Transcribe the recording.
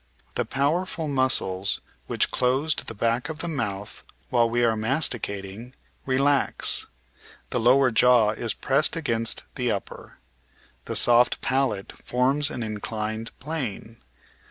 The powerful muscles which closed the back of the mouth while we are masti cating, relax. The lower jaw is pressed against the upper. The soft palate forms an inclined plane.